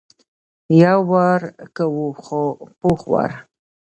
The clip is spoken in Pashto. یو وار کوو خو پوخ وار.